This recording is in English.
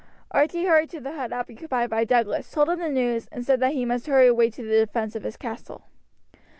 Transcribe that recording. Archie hurried to the hut occupied by Douglas, told him the news, and said he must hurry away to the defence of his castle.